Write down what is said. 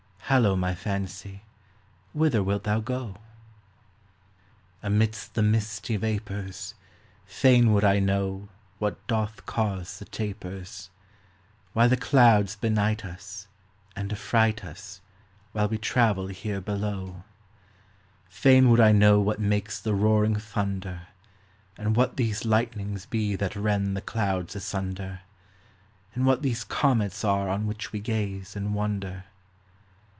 Hallo, my fancy, whither wilt thou go ? Amidst the misty vapors, Fain would I know What doth cause the tapers ; Why the clouds benight us, And affright us While we travel here below. Fain would I know what makes the roaring thunder, And what these lightnings be that rend the clouds asunder, And what these comets are on which we gaze and wonder.